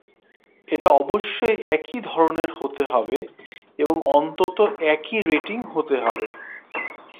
এটা অবশ্যই একই ধরনের হতে হবে এবং অন্তত একই রেটিং হতে হবে।